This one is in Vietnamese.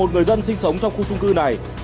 một mươi một người dân sinh sống trong khu trung cư này